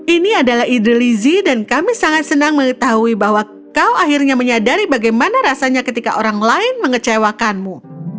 ini adalah idre lizzie dan kami sangat senang mengetahui bahwa kau akhirnya menyadari bagaimana rasanya ketika orang lain mengecewakanmu